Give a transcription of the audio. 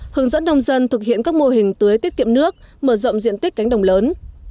hướng dẫn nông dân thực hiện các mô hình tưới tiết kiệm nước mở rộng diện tích cánh đồng lớn